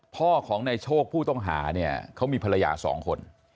พ่อของในโชคผู้ต้องหาเนี่ยเขามีภรรยาสองคน